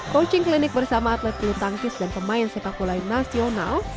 coaching klinik bersama atlet pelutangis dan pemain sepak bola yang nasional